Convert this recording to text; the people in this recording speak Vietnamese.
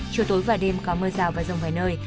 chiều tối và đêm có mưa rào và rông vài nơi